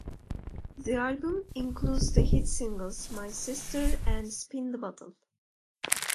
The album includes the hit singles "My Sister" and "Spin the Bottle".